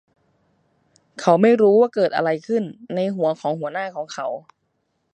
เขาไม่รู้ว่าเกิดอะไรขึ้นในหัวของหัวหน้าของเขา